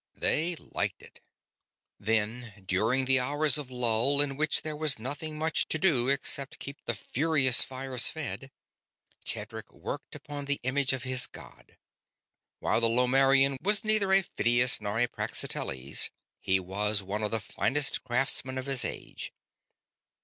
They liked it. Then, during the hours of lull, in which there was nothing much to do except keep the furious fires fed, Tedric worked upon the image of his god. While the Lomarrian was neither a Phidias nor a Praxiteles, he was one of the finest craftsmen of his age.